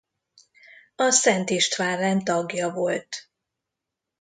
A Szent István rend tagja volt.